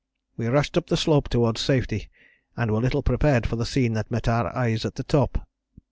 We rushed up the slope towards safety, and were little prepared for the scene that met our eyes at the top.